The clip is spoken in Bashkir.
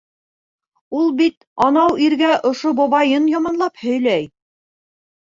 Ул бит анау иргә ошо бабайын яманлап һөйләй.